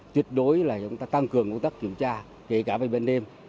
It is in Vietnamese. tuyệt đối là chúng ta tăng cường công tác kiểm tra kể cả về vấn đề